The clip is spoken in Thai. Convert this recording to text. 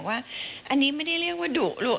ว่าอันนี้ไม่ได้เรียกว่าดุล